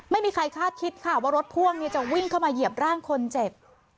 ไม่มีใครคาดคิดค่ะว่ารถพ่วงจะวิ่งเข้ามาเหยียบร่างคนเจ็บ